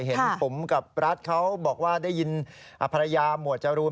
เห็นปุ๋มกับรัฐเขาบอกว่าได้ยินภรรยาหมวดจรูน